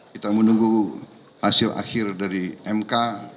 kita menunggu hasil akhir dari mk